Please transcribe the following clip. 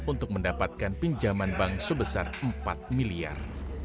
untuk mendapatkan pinjaman bank sebesar empat miliar